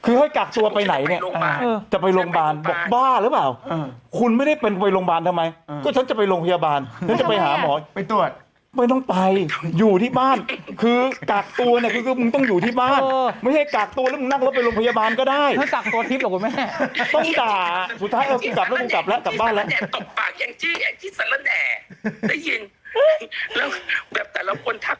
คือให้กากตัวไปไหนเนี่ยจะไปโรงพยาบาลจะไปโรงพยาบาลจะไปโรงพยาบาลจะไปโรงพยาบาลจะไปโรงพยาบาลจะไปโรงพยาบาลจะไปโรงพยาบาลจะไปโรงพยาบาลจะไปโรงพยาบาลจะไปโรงพยาบาลจะไปโรงพยาบาลจะไปโรงพยาบาลจะไปโรงพยาบาลจะไปโรงพยาบาลจะไปโรงพยาบาลจะไปโรงพยาบาลจะไปโรงพยาบ